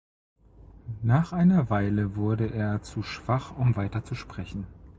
Nach einer Weile wurde er zu schwach, um weiter zu sprechen.